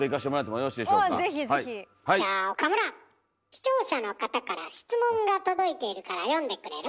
視聴者の方から質問が届いているから読んでくれる？